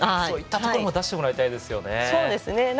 そういったところも出してもらいたいですね。